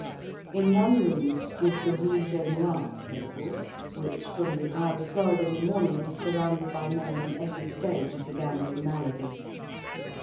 In one room was the rouge et noir table, which, from the hour of twelve in the morning, was surrounded by men in every stage of the gambling malady.